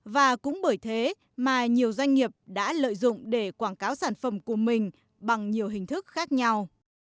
và cũng bởi thế mà nhiều doanh nghiệp đã lợi dụng để quảng cáo sản phẩm của mình bằng nhiều hình thức khác nhau